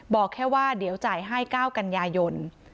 บอกแค่ว่าเดี๋ยวจ่ายให้๙กันยายน